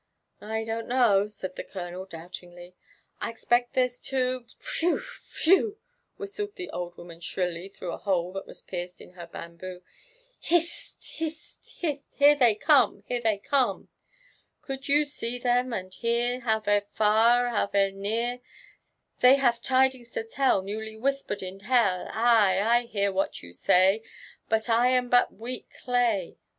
''I dont know," said the colonel doubtingly ; ''I expect there's two "<< Whew I whew I " whistled the old woman shrilly through a hole that was pierced in her hambop. *' Hist, hist, hist l ^ here ibey come, here they cgme I ^« Geuld you se)e the m aud hear ! Now they're far— now they're aear ! They have tidings to tell, T^ewly whisper'd in hell ! Ay I— I hear what you say ; But I am but weak clay.